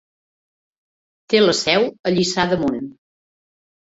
Té la seu a Lliçà d'Amunt.